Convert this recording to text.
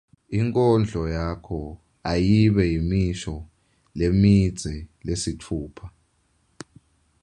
Inkondlo yakho ayibe yimisho lemidze lesitfupha.